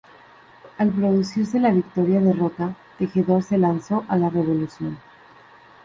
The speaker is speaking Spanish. Al producirse la victoria de Roca, Tejedor se lanzó a la revolución.